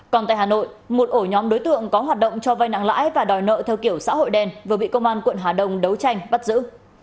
còn tại hà nội một ổ nhóm đối tượng có hoạt động cho vai nặng lãi và đòi nợ theo kiểu xã hội đen vừa bị công an quận hà đông đấu tranh bắt giữ